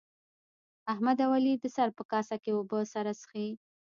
احمد او علي د سر په کاسه کې اوبه سره څښي.